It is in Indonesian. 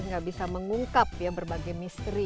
nggak bisa mengungkap ya berbagai misteri